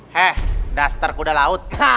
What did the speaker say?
heh dastar kuda laut